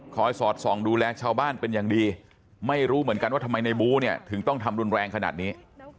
สอดส่องดูแลชาวบ้านเป็นอย่างดีไม่รู้เหมือนกันว่าทำไมในบู้เนี่ยถึงต้องทำรุนแรงขนาดนี้